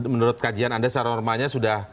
menurut kajian anda secara normalnya sudah